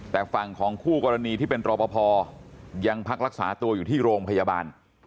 แต่ฝั่งของคู่กรณีที่เป็นรอปภยังพักรักษาตัวอยู่ที่โรงพยาบาล